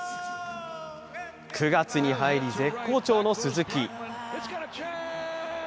９月に入り絶好調の鈴木。